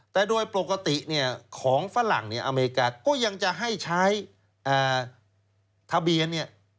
แต่โดยปกติเนี่ยของฝรั่งเนี่ยอเมริกาก็ยังจะให้ใช้ทะเบียนเนี่ย